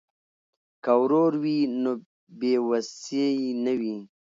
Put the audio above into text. که ورور وي نو بې وسی نه وي.